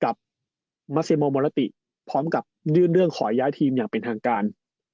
กับมัสเซโมโมลาติพร้อมกับยื่นเรื่องขอย้ายทีมอย่างเป็นทางการ